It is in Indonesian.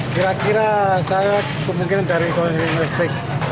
kira kira saya kemungkinan dari kondisi listrik